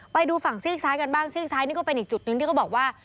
ไปดูฝั่งซีกซ้ายกันบ้างซีกซ้ายนี่ก็เป็นอีกจุดหนึ่งที่เขาบอกว่า